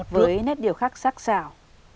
với nét điều khác sắc xảo